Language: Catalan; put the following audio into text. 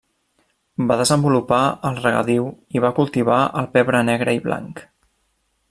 Va desenvolupar el regadiu i va cultivar el pebre negre i blanc.